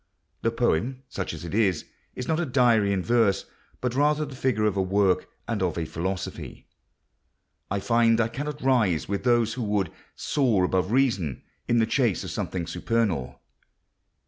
The poem, such as it is, is not a diary in verse, but rather the figure of a work and of a philosophy. ... I find I cannot rise with those who would soar above reason in the chase of something supernal.